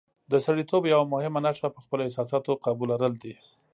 د سړیتوب یوه مهمه نښه په خپلو احساساتو قابو لرل دي.